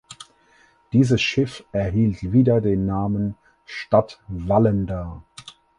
Dieses Schiff erhielt wieder den Namen "Stadt Vallendar".